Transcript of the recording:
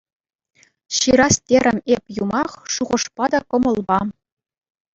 Ҫырас терӗм эп юмах, шухӑшпа та кӑмӑлпа.